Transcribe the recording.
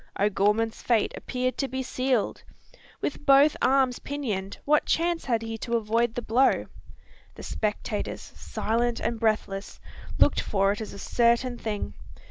O'Gorman's fate appeared to be sealed. With both arms pinioned, what chance had he to avoid the blow? The spectators, silent and breathless, looked for it as a certain thing.